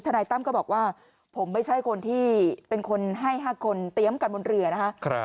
นายตั้มก็บอกว่าผมไม่ใช่คนที่เป็นคนให้๕คนเตรียมกันบนเรือนะคะ